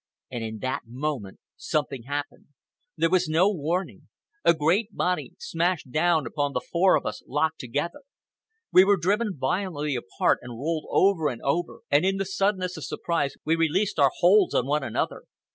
And in that moment something happened. There was no warning. A great body smashed down upon the four of us locked together. We were driven violently apart and rolled over and over, and in the suddenness of surprise we released our holds on one another.